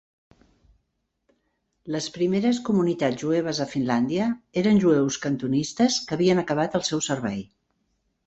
Les primeres comunitats jueves a Finlàndia eren jueus cantonistes que havien acabat el seu servei.